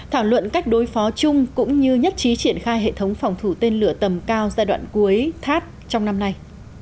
thảo luận cách đối phó chung cũng như nhất trí triển khai hệ thống phòng thủ tên lửa tầm cao giai đoạn cuối thắt trong năm nay